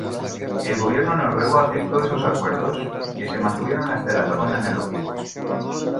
El Gobierno noruego aceptó esos acuerdos, que se mantuvieron hasta el apagón analógico.